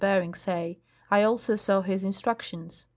Bering say. I also saw his instructions."